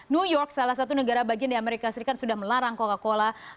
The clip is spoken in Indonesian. new york salah satu negara bagian di amerika serikat sudah melarang coca cola